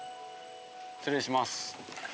失礼します。